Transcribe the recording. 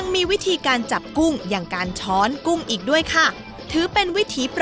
สวัสดีค่ะพี่